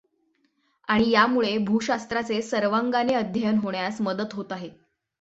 आणि यामुळे भू शास्त्राचे सर्वांगाने अध्ययन होण्यास मदत होत आहे.